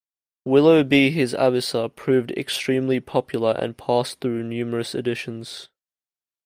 "Willobie his Avisa" proved extremely popular, and passed through numerous editions.